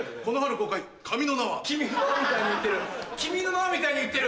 『君の名は。』みたいに言ってる！